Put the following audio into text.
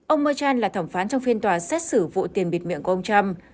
ông merchan là thẩm phán trong phiên tòa xét xử vụ tiền bịt miệng của ông trump